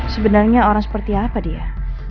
sebenarnya orang seperti apa dia